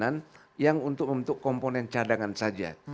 yang untuk pertahanan yang untuk membutuhkan komponen cadangan saja